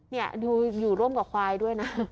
นี่ดูอยู่ร่วมกับควายด้วยนะ